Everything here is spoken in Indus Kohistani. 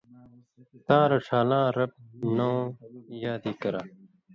تاں رڇھان٘لاں (رب) نؤں یادی کرہ؛